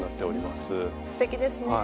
すてきですね。